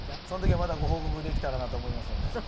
その時はまたご報告できたらなと思いますので。